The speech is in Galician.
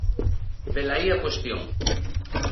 Velaí a cuestión.